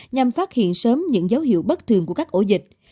nhằm phát hiện sớm những dấu hiệu bất thường của các ổ dịch